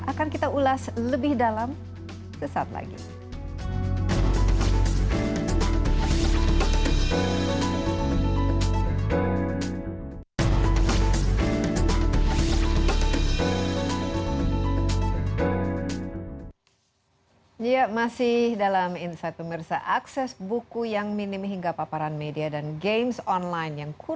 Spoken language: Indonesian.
akan kita ulas lebih dalam sesaat lagi